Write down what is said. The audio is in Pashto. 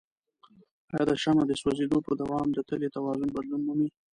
آیا د شمع د سوځیدو په دوام د تلې توازن بدلون مومي؟